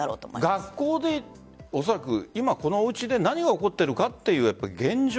学校で、おそらく今おうちで何が起こっているかという現状